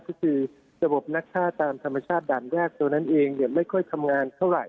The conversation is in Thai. ก็คือระบบนักฆ่าตามธรรมชาติด่านแรกตัวนั้นเองไม่ค่อยทำงานเท่าไหร่